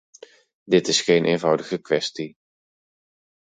Dit is geen eenvoudige kwestie.